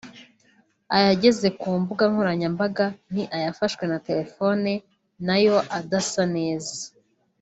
ayageze ku mbuga nkoranyambaga ni ayafashwe na telefone nayo adasa neza